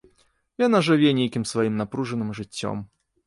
Яна жыве нейкім сваім напружаным жыццём.